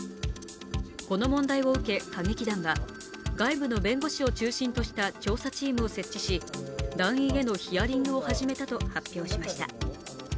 この問題を受け歌劇団は、外部の弁護士を中心とした調査チームを設置し、団員へのヒアリングを始めたと発表しました。